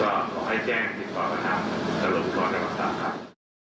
ก็ขอให้แจ้งในความผิดครับสรุปก่อนด้วยมาครับ